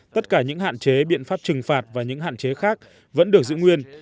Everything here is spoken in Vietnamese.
tất cả những hạn chế biện pháp trừng phạt và những hạn chế khác vẫn được giữ nguyên